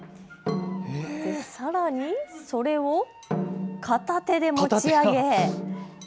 さらに、それを片手で持ち上げ。